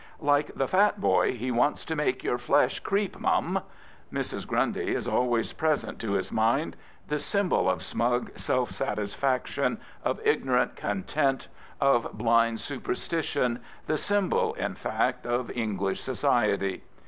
Like the Fat Boy, he " wants to make your flesh creep, miun.'' Mrs. Qrundy is always present to his mind — the sy mbol of smug self satisfaction, of ignorant ^content, of blind superstition, the symbol, in fact, of English society.